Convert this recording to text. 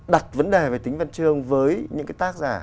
đặt vấn đề về tính văn chương với những cái tác giả